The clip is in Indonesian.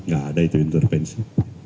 gak ada itu intervensi